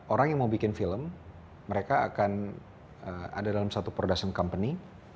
orang yang mau bikin film mereka akan ada dalam satu production company